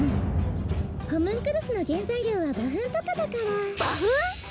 ホムンクルスの原材料は馬糞とかだから馬糞！？